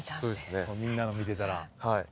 みんなの見てたら。